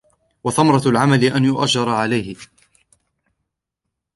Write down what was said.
وَثَمَرَةُ الْعَمَلِ أَنْ يُؤْجَرَ عَلَيْهِ